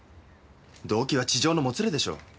動機は痴情のもつれでしょう。